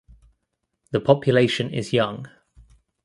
The population is young.